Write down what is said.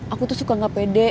aku tuh suka gak pede